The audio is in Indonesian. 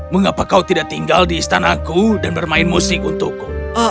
mengapa kau tidak tinggal di istanaku dan bermain musik untukku